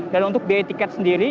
dan untuk biaya tiket sendiri